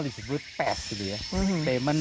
disebut pes gitu ya